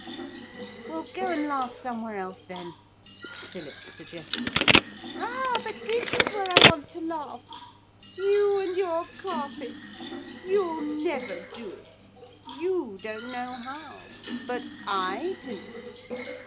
'Well go and laugh somewhere else then,' Philip suggested. 'Ah! but this is where I want to laugh. You and your carpet! You'll never do it. You don't know how. But I do.'